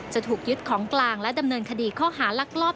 จะถูกยึดของกลางและดำเนินคดีข้อหาลักลอบ